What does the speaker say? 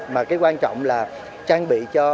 mà cái quan trọng là trang bị cho